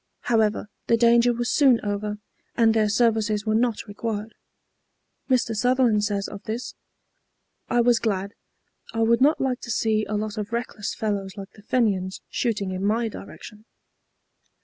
However, the danger was soon over, and their services were not required. Mr. Sutherland says of this, "I was glad. I would not like to see a lot of reckless fellows like the Fenians shooting in my direction."